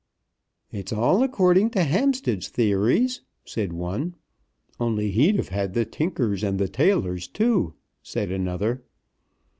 "It's all according to Hampstead's theories," said one. "Only he'd have had the tinkers and the tailors too," said another.